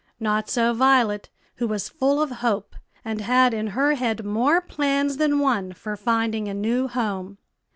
Not so Violet, who was full of hope, and had in her head more plans than one for finding a new home.